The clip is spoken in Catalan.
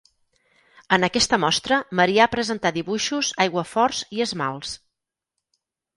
En aquesta mostra Marià presentà dibuixos, aiguaforts i esmalts.